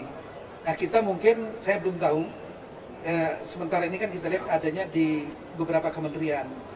nah kita mungkin saya belum tahu sementara ini kan kita lihat adanya di beberapa kementerian